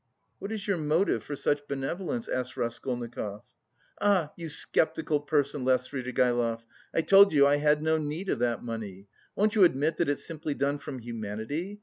"What is your motive for such benevolence?" asked Raskolnikov. "Ah! you sceptical person!" laughed Svidrigaïlov. "I told you I had no need of that money. Won't you admit that it's simply done from humanity?